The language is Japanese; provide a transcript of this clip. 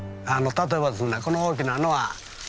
例えばですねこの大きなのはアカガシ。